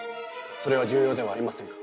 それは重要ではありませんか？